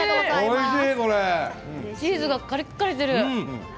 チーズがカリカリしてる。